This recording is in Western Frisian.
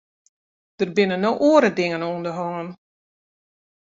Der binne no oare dingen oan de hân.